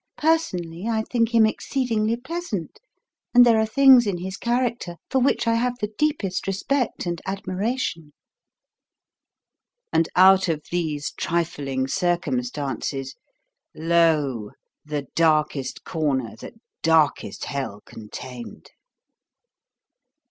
Personally, I think him exceedingly pleasant, and there are things in his character for which I have the deepest respect and admiration." And out of these trifling circumstances lo! the darkest corner that darkest Hell contained.